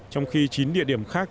trong khi chín địa điểm khác